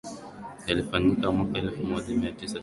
yalifanyika mwaka elfu moja mia tisa tisini na tano